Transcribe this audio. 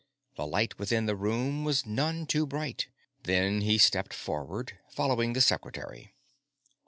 The light within the room was none too bright. Then he stepped forward, following the Secretary.